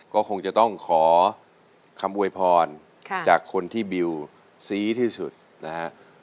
ก็คงจะต้องขอคำโวยพรจากคนที่บิวซีที่สุดนะฮะ